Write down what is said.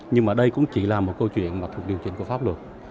nhưng mà đây cũng chỉ là một câu chuyện mà thuộc điều chỉnh của pháp luật